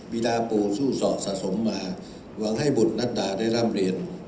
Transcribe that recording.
ดาปู่สู้สอดสะสมมาหวังให้บุตรนัดดาได้ร่ำเรียน